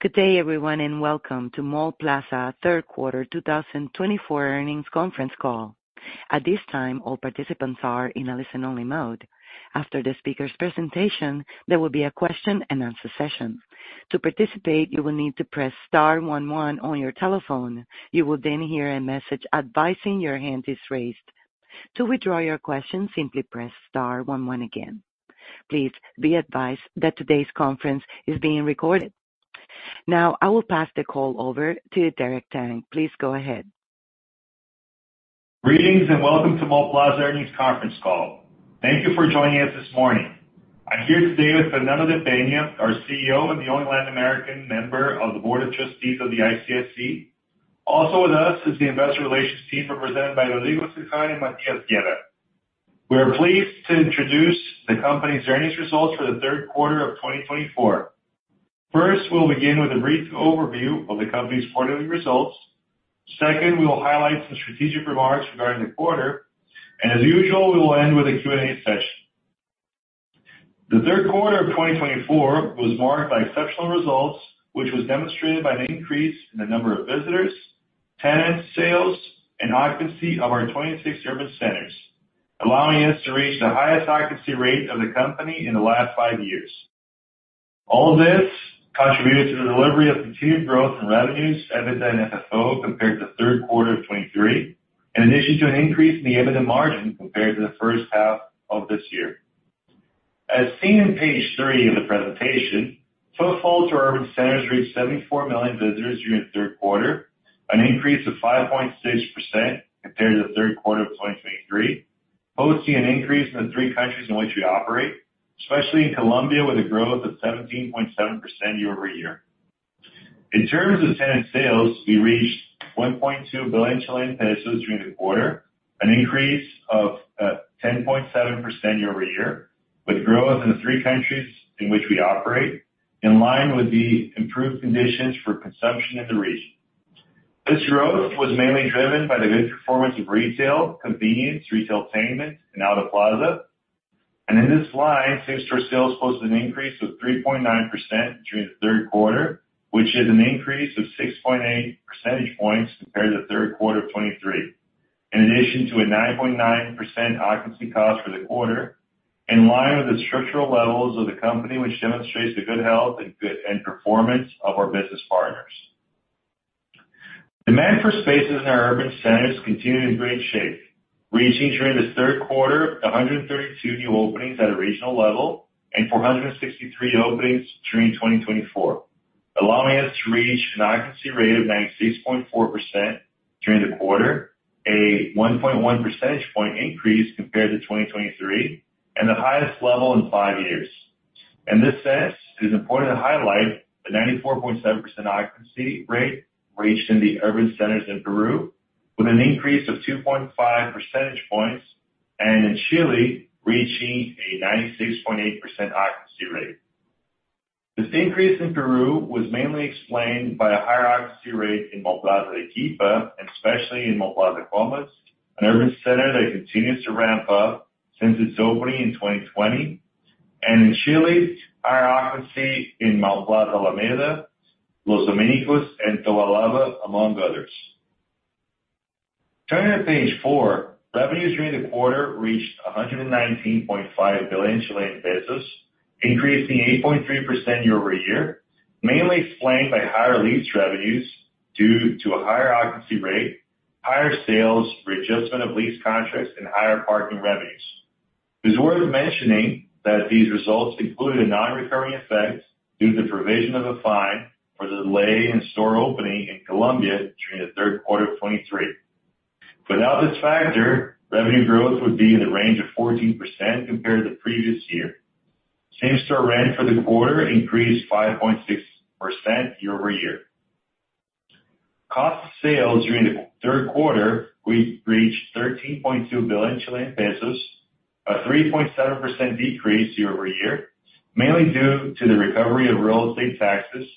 Good day, everyone, and welcome to Mallplaza third quarter 2024 earnings conference call. At this time, all participants are in a listen-only mode. After the speaker's presentation, there will be a question-and-answer session. To participate, you will need to press star one one on your telephone. You will then hear a message advising your hand is raised. To withdraw your question, simply press star one one again. Please be advised that today's conference is being recorded. Now, I will pass the call over to Derek Tang. Please go ahead. Greetings and welcome to Mallplaza earnings conference call. Thank you for joining us this morning. I'm here today with Fernando de Peña, our CEO and the only Latin American member of the Board of Trustees of the ICSC. Also with us is the investor relations team represented by Rodrigo Cejal and Matías Gueda. We are pleased to introduce the company's earnings results for the third quarter of 2024. First, we'll begin with a brief overview of the company's quarterly results. Second, we'll highlight some strategic remarks regarding the quarter. As usual, we will end with a Q&A session. The third quarter of 2024 was marked by exceptional results, which was demonstrated by an increase in the number of visitors, tenants, sales, and occupancy of our 26 urban centers, allowing us to reach the highest occupancy rate of the company in the last five years. All of this contributed to the delivery of continued growth in revenues, EBITDA and FFO compared to the third quarter of 2023, in addition to an increase in the EBITDA margin compared to the first half of this year. As seen in page three of the presentation, footfall to urban centers reached 74 million visitors during the third quarter, an increase of 5.6% compared to the third quarter of 2023, posting an increase in the three countries in which we operate, especially in Colombia with a growth of 17.7% year over year. In terms of tenant sales, we reached 1.2 billion Chilean pesos during the quarter, an increase of 10.7% year over year, with growth in the three countries in which we operate, in line with the improved conditions for consumption in the region. This growth was mainly driven by the good performance of retail, convenience, retail payment, and out-of-plaza. In this line, same-store sales posted an increase of 3.9% during the third quarter, which is an increase of 6.8 percentage points compared to the third quarter of 2023, in addition to a 9.9% occupancy cost for the quarter, in line with the structural levels of the company, which demonstrates the good health and performance of our business partners. Demand for spaces in our urban centers continued in great shape, reaching during the third quarter 132 new openings at a regional level and 463 openings during 2024, allowing us to reach an occupancy rate of 96.4% during the quarter, a 1.1 percentage point increase compared to 2023, and the highest level in five years. In this sense, it is important to highlight the 94.7% occupancy rate reached in the urban centers in Peru, with an increase of 2.5 percentage points, and in Chile reaching a 96.8% occupancy rate. This increase in Peru was mainly explained by a higher occupancy rate in Mallplaza Arequipa, and especially in Mallplaza Comas, an urban center that continues to ramp up since its opening in 2020. In Chile, higher occupancy in Mallplaza Alameda, Los Domínicos, and Tobalaba, among others. Turning to page four, revenues during the quarter reached 119.5 billion Chilean pesos, increasing 8.3% year over year, mainly explained by higher lease revenues due to a higher occupancy rate, higher sales, readjustment of lease contracts, and higher parking revenues. It's worth mentioning that these results included a non-recurring effect due to the provision of a fine for the delay in store opening in Colombia during the third quarter of 2023. Without this factor, revenue growth would be in the range of 14% compared to the previous year. Same-store rent for the quarter increased 5.6% year over year. Cost of sales during the third quarter reached 13.2 billion Chilean pesos, a 3.7% decrease year over year, mainly due to the recovery of real estate taxes,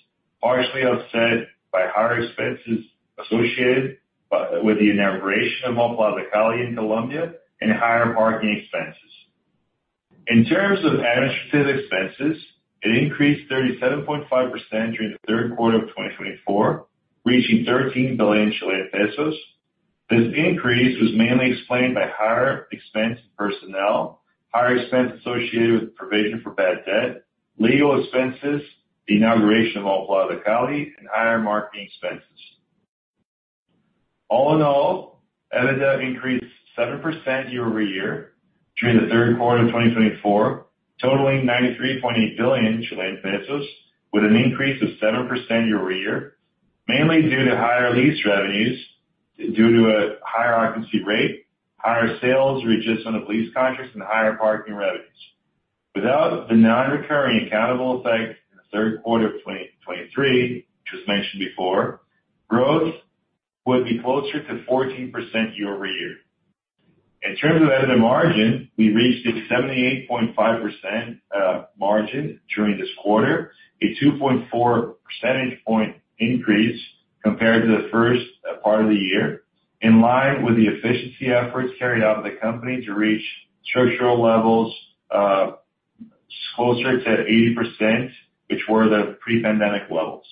partially offset by higher expenses associated with the inauguration of Mallplaza Cali in Colombia and higher parking expenses. In terms of administrative expenses, it increased 37.5% during the third quarter of 2024, reaching 13 billion Chilean pesos. This increase was mainly explained by higher expense personnel, higher expense associated with provision for bad debt, legal expenses, the inauguration of Mallplaza Cali, and higher marketing expenses. All in all, EBITDA increased 7% year over year during the third quarter of 2024, totaling CLP 93.8 billion, with an increase of 7% year over year, mainly due to higher lease revenues due to a higher occupancy rate, higher sales, readjustment of lease contracts, and higher parking revenues. Without the non-recurring accountable effect in the third quarter of 2023, which was mentioned before, growth would be closer to 14% year over year. In terms of EBITDA margin, we reached a 78.5% margin during this quarter, a 2.4 percentage point increase compared to the first part of the year, in line with the efficiency efforts carried out by the company to reach structural levels closer to 80%, which were the pre-pandemic levels.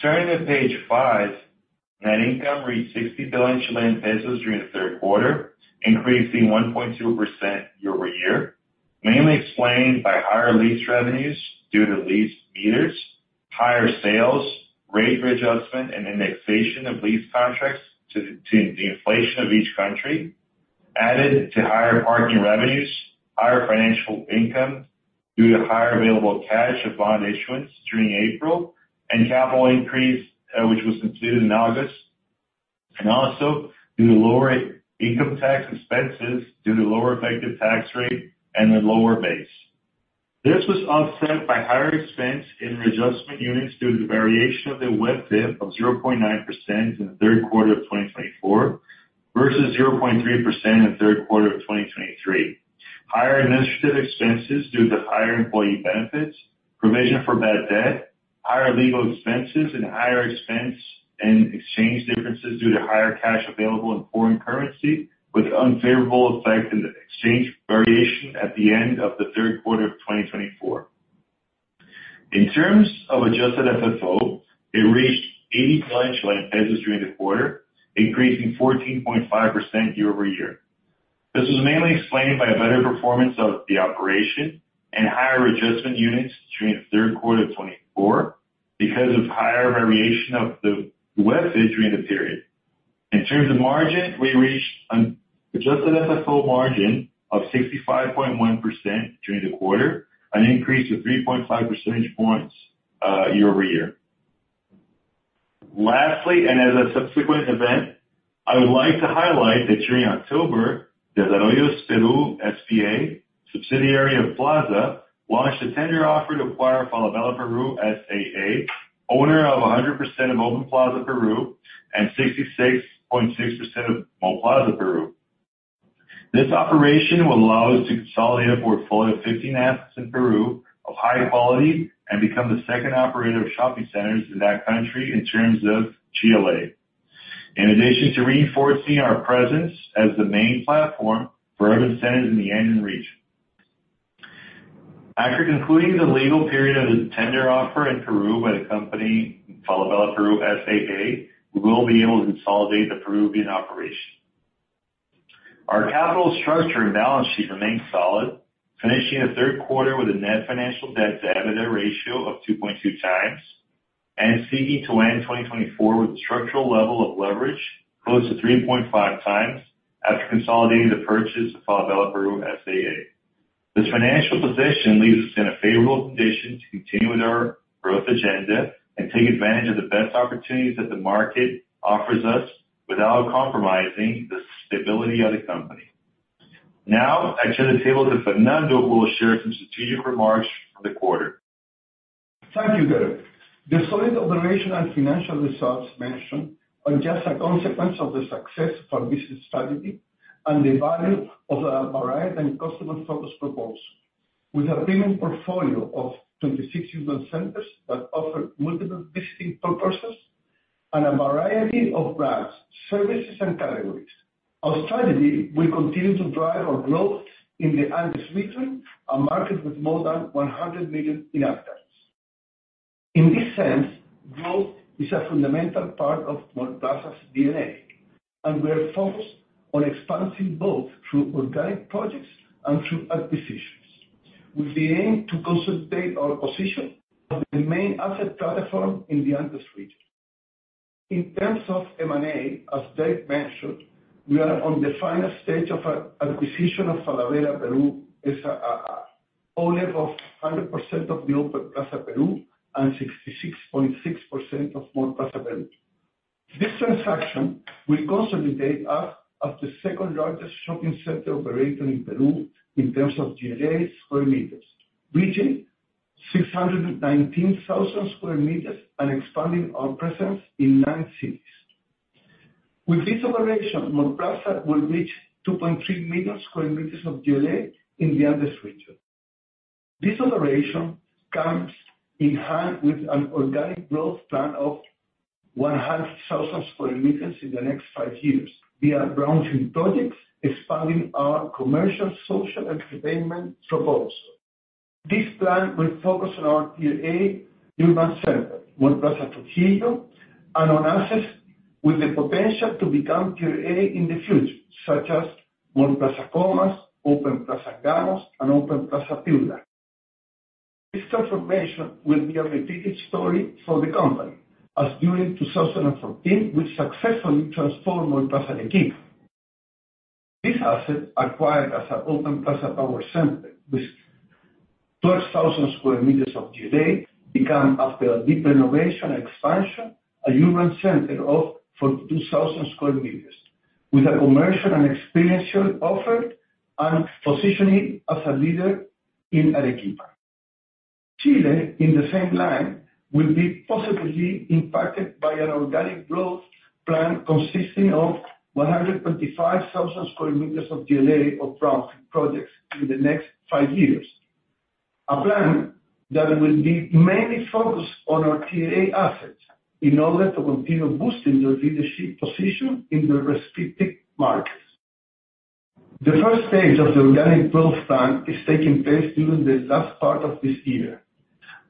Turning to page five, net income reached 60 billion Chilean pesos during the third quarter, increasing 1.2% year over year, mainly explained by higher lease revenues due to lease meters, higher sales, rate readjustment, and indexation of lease contracts to the inflation of each country, added to higher parking revenues, higher financial income due to higher available cash and bond issuance during April, and capital increase, which was completed in August, and also due to lower income tax expenses due to lower effective tax rate and the lower base. This was offset by higher expense in readjustment units due to the variation of the UF of 0.9% in the third quarter of 2024 versus 0.3% in the third quarter of 2023, higher administrative expenses due to higher employee benefits, provision for bad debt, higher legal expenses, and higher expense and exchange differences due to higher cash available in foreign currency, with unfavorable effect in the exchange variation at the end of the third quarter of 2024. In terms of adjusted FFO, it reached 80 billion during the quarter, increasing 14.5% year over year. This was mainly explained by a better performance of the operation and higher adjustment units during the third quarter of 2024 because of higher variation of the UF during the period. In terms of margin, we reached an adjusted FFO margin of 65.1% during the quarter, an increase of 3.5 percentage points year over year. Lastly, and as a subsequent event, I would like to highlight that during October, Desarrollo Esperu SPA, subsidiary of Plaza, launched a tender offer to acquire Falabella Perú S.A.A., owner of 100% of Open Plaza Perú and 66.6% of Mallplaza Perú. This operation will allow us to consolidate a portfolio of 15 apps in Peru of high quality and become the second operator of shopping centers in that country in terms of GLA, in addition to reinforcing our presence as the main platform for urban centers in the Andes region. After concluding the legal period of the tender offer in Peru by the company Falabella Perú S.A.A., we will be able to consolidate the Peruvian operation. Our capital structure and balance sheet remained solid, finishing the third quarter with a net financial debt to EBITDA ratio of 2.2x, and seeking to end 2024 with a structural level of leverage close to 3.5x after consolidating the purchase of Falabella Perú S.A.A. This financial position leaves us in a favorable condition to continue with our growth agenda and take advantage of the best opportunities that the market offers us without compromising the stability of the company. Now, I turn the table to Fernando, who will share some strategic remarks for the quarter. Thank you, Derek. The solid operational and financial results mentioned are just a consequence of the success of our business strategy and the value of our varied and customer-focused proposal. With a premium portfolio of 26 urban centers that offer multiple visiting purposes and a variety of brands, services, and categories, our strategy will continue to drive our growth in the Andes region, a market with more than 100 million inhabitants. In this sense, growth is a fundamental part of Mallplaza's DNA, and we are focused on expanding both through organic projects and through acquisitions, with the aim to consolidate our position as the main asset platform in the Andes region. In terms of M&A, as Derek mentioned, we are on the final stage of our acquisition of Falabella Perú S.A.A., owner of 100% of the Open Plaza Perú and 66.6% of Mallplaza Perú. This transaction will consolidate us as the second largest shopping center operator in Peru in terms of GLA square meters, reaching 619,000 square meters and expanding our presence in nine cities. With this operation, Mallplaza will reach 2.3 million square meters of GLA in the Andes region. This operation comes in hand with an organic growth plan of 100,000 square meters in the next five years via browsing projects, expanding our commercial, social, and entertainment proposal. This plan will focus on our Tier A urban center, Mallplaza Trujillo, and on assets with the potential to become Tier A in the future, such as Mallplaza Comas, Open Plaza Ganos, and Open Plaza Piura. This transformation will be a repeated story for the company, as during 2014, we successfully transformed Mallplaza de Quipa. This asset, acquired as an Open Plaza Power Center, with 12,000 sq m of GLA, became, after a deep renovation and expansion, an urban center of 42,000 sq m, with a commercial and experiential offer and positioning as a leader in Arequipa. Chile, in the same line, will be positively impacted by an organic growth plan consisting of 125,000 sq m of GLA of projects in the next five years, a plan that will be mainly focused on our Tier A assets in order to continue boosting their leadership position in their respective markets. The first stage of the organic growth plan is taking place during the last part of this year,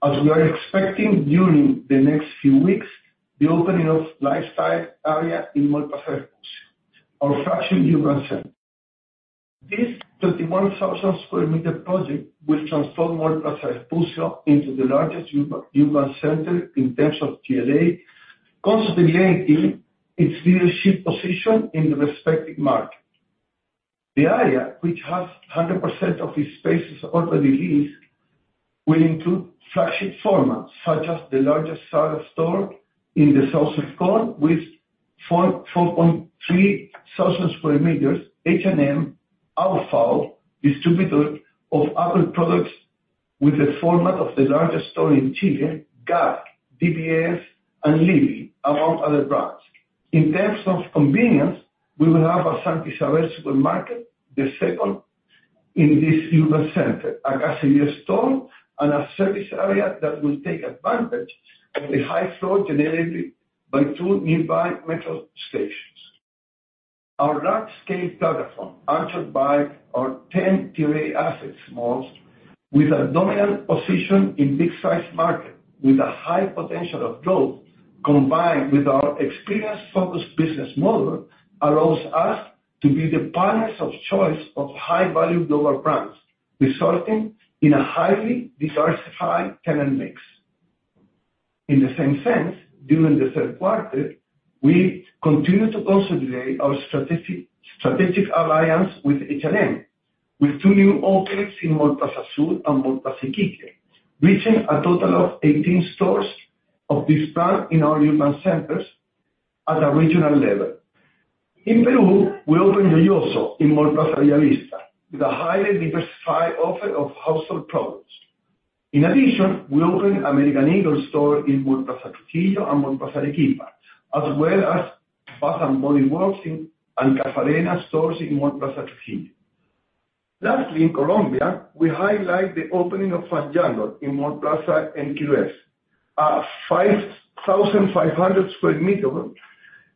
as we are expecting during the next few weeks the opening of Lifestyle Area in Mallplaza de Fusio, our fractional urban center. This 21,000 sq m project will transform Mallplaza de Fusio into the largest urban center in terms of GLA, consolidating its leadership position in the respective market. The area, which has 100% of its spaces already leased, will include flagship formats such as the largest seller store in the Southern Core, with 4,300 sq m, H&M, Alfal, distributor of Apple products with the format of the largest store in Chile, GAP, DBS, and Libby, among other brands. In terms of convenience, we will have a Santi Saver supermarket, the second in this urban center, a casería store, and a service area that will take advantage of the high floor generated by two nearby metro stations. Our large-scale platform, anchored by our 10 Tier A assets, malls with a dominant position in big-sized markets, with a high potential of growth, combined with our experience-focused business model, allows us to be the partners of choice of high-value global brands, resulting in a highly diversified tenant mix. In the same sense, during the third quarter, we continue to consolidate our strategic alliance with H&M, with two new openings in Mallplaza Sur and Mallplaza Iquique, reaching a total of 18 stores of this brand in our urban centers at a regional level. In Peru, we opened Loyoso in Mallplaza Villa Vista, with a highly diversified offer of household products. In addition, we opened American Eagle Outfitters in Mallplaza Trujillo and Mallplaza Arequipa, as well as Bath & Body Works and Cafarena stores in Mallplaza Trujillo. Lastly, in Colombia, we highlight the opening of Fanjango in Mallplaza Enkilues, a 5,500 sq m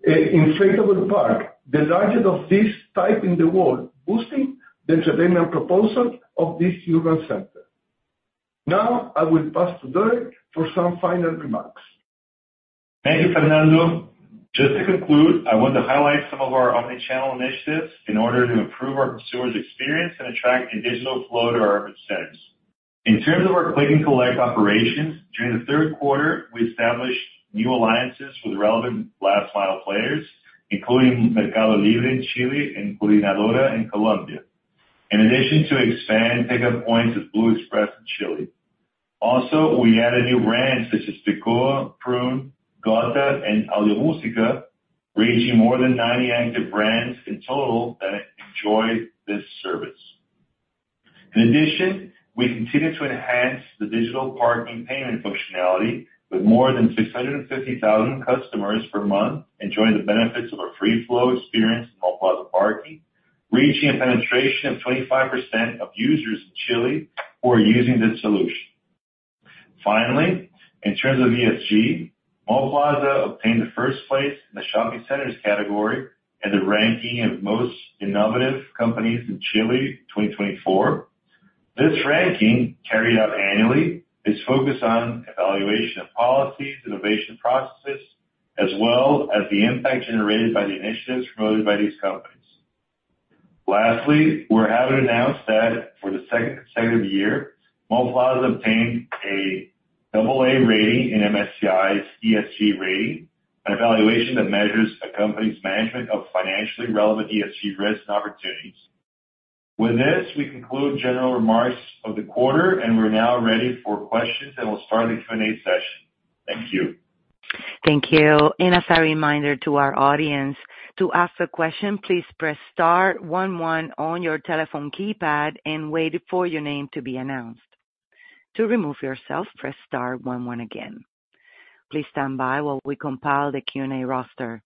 inflatable park, the largest of this type in the world, boosting the entertainment proposal of this urban center. Now, I will pass to Derek for some final remarks. Thank you, Fernando. Just to conclude, I want to highlight some of our omnichannel initiatives in order to improve our consumers' experience and attract a digital flow to our urban centers. In terms of our click-and-collect operations, during the third quarter, we established new alliances with relevant last-mile players, including Mercado Libre in Chile and Culinadora in Colombia, in addition to expanding pickup points at Blue Express in Chile. Also, we added new brands such as Picoa, Prüne, Gota, and Audio Música, reaching more than 90 active brands in total that enjoy this service. In addition, we continue to enhance the digital parking payment functionality with more than 650,000 customers per month enjoying the benefits of a free-flow experience in Mallplaza parking, reaching a penetration of 25% of users in Chile who are using this solution. Finally, in terms of ESG, Mallplaza obtained the first place in the shopping centers category in the ranking of most innovative companies in Chile 2024. This ranking, carried out annually, is focused on evaluation of policies, innovation processes, as well as the impact generated by the initiatives promoted by these companies. Lastly, we're happy to announce that for the second consecutive year, Mallplaza obtained a double-A rating in MSCI's ESG rating, an evaluation that measures a company's management of financially relevant ESG risks and opportunities. With this, we conclude general remarks of the quarter, and we're now ready for questions, and we'll start the Q&A session. Thank you. Thank you. As a reminder to our audience, to ask a question, please press star one one on your telephone keypad and wait for your name to be announced. To remove yourself, press star one one again. Please stand by while we compile the Q&A roster.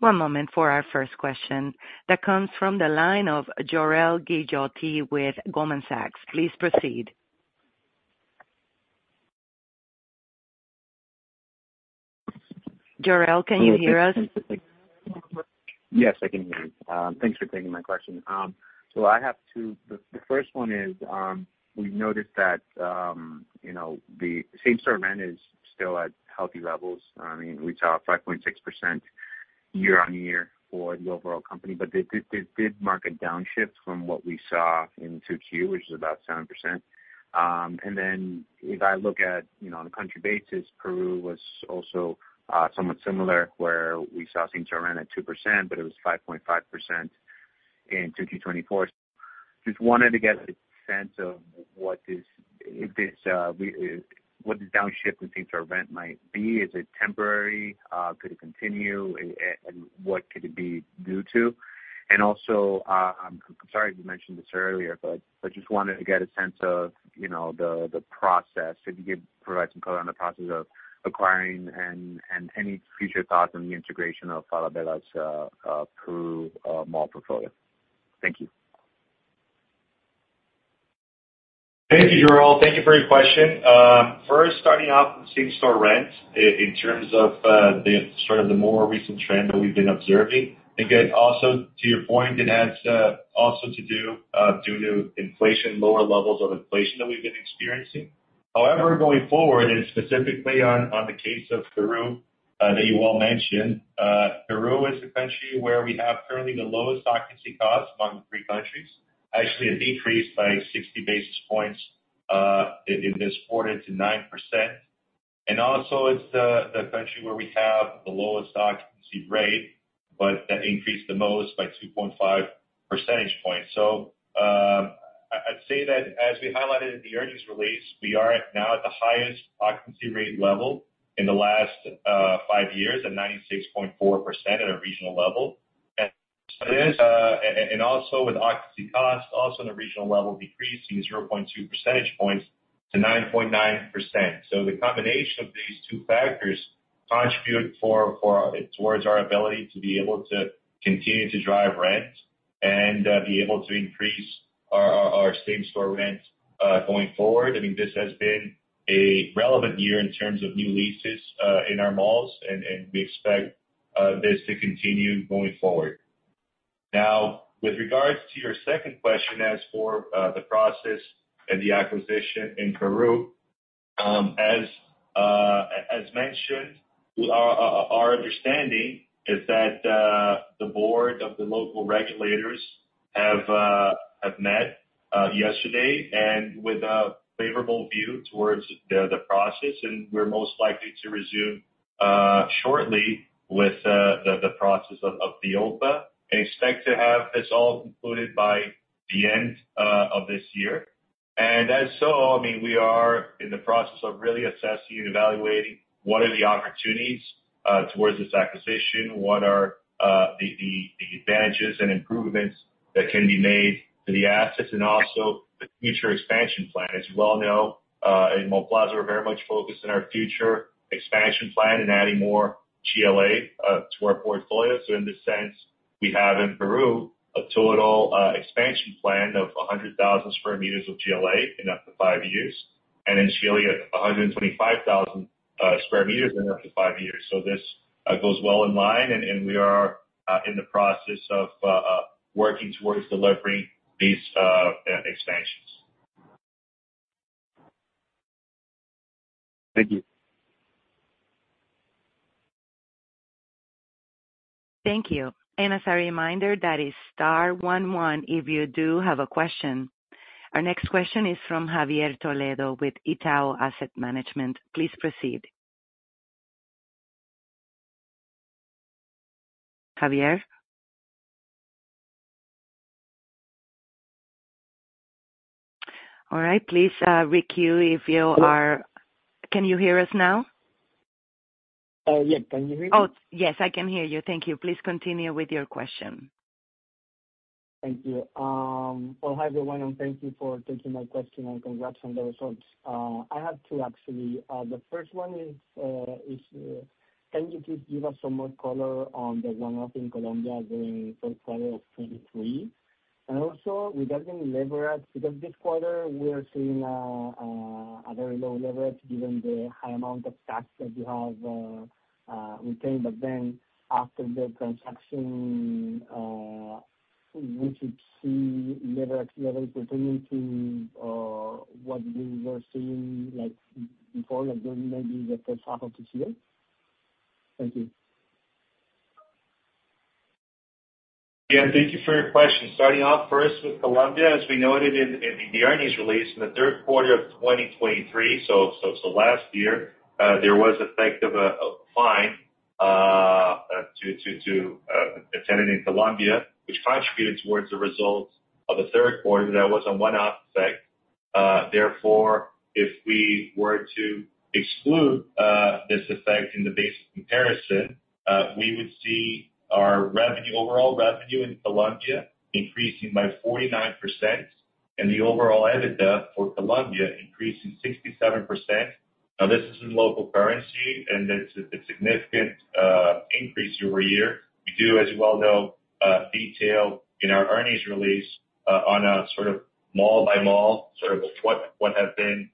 One moment for our first question that comes from the line of Jorel Guilloty with Goldman Sachs. Please proceed. Jorel, can you hear us? Yes, I can hear you. Thanks for taking my question. I have two—the first one is we noticed that the same-store sales are still at healthy levels. I mean, we saw 5.6% year on year for the overall company, but it did mark a downshift from what we saw in 2Q, which is about 7%. If I look at it on a country basis, Peru was also somewhat similar, where we saw same-store sales at 2%, but it was 5.5% in 2024. I just wanted to get a sense of what this downshift in same-store sales might be. Is it temporary? Could it continue? What could it be due to? I'm sorry if you mentioned this earlier, but I just wanted to get a sense of the process, if you could provide some color on the process of acquiring and any future thoughts on the integration of Falabella Perú's mall portfolio. Thank you. Thank you, Jorel. Thank you for your question. First, starting off with same-store rents in terms of sort of the more recent trend that we've been observing. Also, to your point, it has also to do due to inflation, lower levels of inflation that we've been experiencing. However, going forward, and specifically on the case of Peru that you well mentioned, Peru is the country where we have currently the lowest occupancy costs among the three countries, actually a decrease by 60 basis points in this quarter to 9%. Also, it's the country where we have the lowest occupancy rate, but that increased the most by 2.5 percentage points. I'd say that as we highlighted in the earnings release, we are now at the highest occupancy rate level in the last five years at 96.4% at a regional level. Also with occupancy costs, also on a regional level, decreasing 0.2 percentage points to 9.9%. The combination of these two factors contributes towards our ability to be able to continue to drive rents and be able to increase our same store rents going forward. I mean, this has been a relevant year in terms of new leases in our malls, and we expect this to continue going forward. Now, with regards to your second question as for the process and the acquisition in Peru, as mentioned, our understanding is that the board of the local regulators have met yesterday and with a favorable view towards the process, and we are most likely to resume shortly with the process of the OPA and expect to have this all concluded by the end of this year. I mean, we are in the process of really assessing and evaluating what are the opportunities towards this acquisition, what are the advantages and improvements that can be made to the assets, and also the future expansion plan. As you well know, Mallplaza is very much focused on our future expansion plan and adding more GLA to our portfolio. In this sense, we have in Peru a total expansion plan of 100,000 sq m of GLA in up to five years, and in Chile, 125,000 sq m in up to five years. This goes well in line, and we are in the process of working towards delivering these expansions. Thank you. Thank you. As a reminder, that is star one one if you do have a question. Our next question is from Javier Toledo with Itaú Asset Management. Please proceed. Javier? All right. Please re-queue if you are—can you hear us now? Yeah, can you hear me? Oh, yes, I can hear you. Thank you. Please continue with your question. Thank you. Hi, everyone, and thank you for taking my question and congrats on the results. I have two, actually. The first one is, can you please give us some more color on the one-off in Colombia during the first quarter of 2023? Also, regarding leverage, because this quarter, we are seeing a very low leverage given the high amount of tax that we have retained. After the transaction, we should see leverage levels returning to what we were seeing before, maybe the first half of this year. Thank you. Yeah, thank you for your question. Starting off first with Colombia, as we noted in the earnings release in the third quarter of 2023, so it is the last year, there was effective a fine to a tenant in Colombia, which contributed towards the results of the third quarter. That was a one-off effect. Therefore, if we were to exclude this effect in the basic comparison, we would see our revenue, overall revenue in Colombia, increasing by 49%, and the overall EBITDA for Colombia increasing 67%. Now, this is in local currency, and it is a significant increase year over year. We do, as you well know, detail in our earnings release on a sort of mall by mall sort of what have been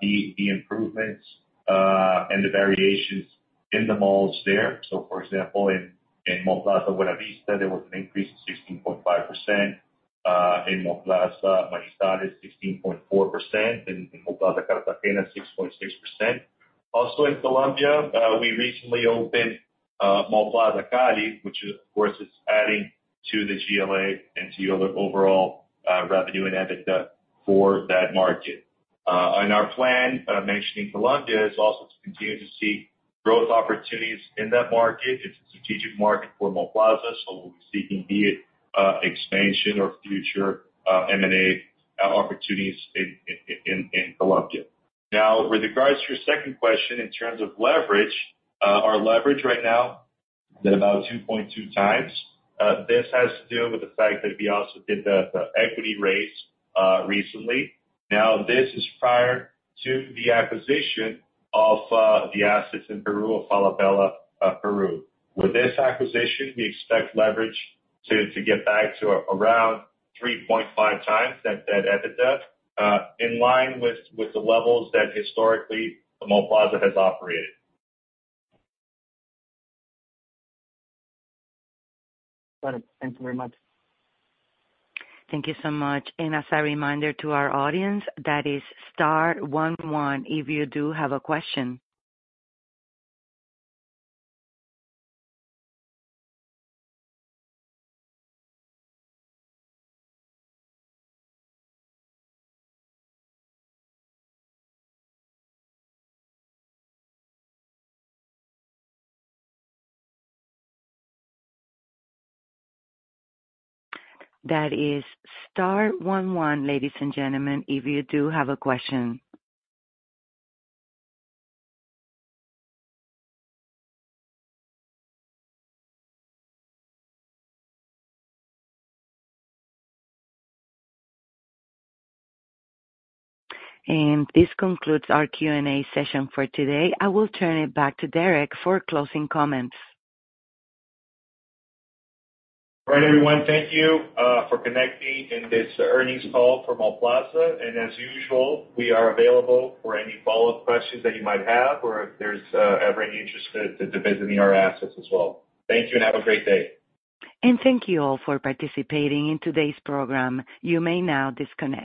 the improvements and the variations in the malls there. For example, in Mallplaza Buena Vista, there was an increase of 16.5%. In Mallplaza Maristad, it's 16.4%, and in Mallplaza Cartagena 6.6%. Also in Colombia, we recently opened Mallplaza Cali, which, of course, is adding to the GLA and to your overall revenue and EBITDA for that market. Our plan, mentioning Colombia, is also to continue to seek growth opportunities in that market. It's a strategic market for Mallplaza, so we'll be seeking be it expansion or future M&A opportunities in Colombia. Now, with regards to your second question, in terms of leverage, our leverage right now is at about 2.2x. This has to do with the fact that we also did the equity raise recently. This is prior to the acquisition of the assets in Peru of Falabella Perú. With this acquisition, we expect leverage to get back to around 3.5x that EBITDA, in line with the levels that historically Mallplaza has operated. Got it. Thank you very much. Thank you so much. As a reminder to our audience, that is star one one if you do have a question. That is star one one, ladies and gentlemen, if you do have a question. This concludes our Q&A session for today. I will turn it back to Derek for closing comments. All right, everyone. Thank you for connecting in this earnings call for Mallplaza. As usual, we are available for any follow-up questions that you might have or if there is ever any interest to visiting our assets as well. Thank you and have a great day. Thank you all for participating in today's program. You may now disconnect.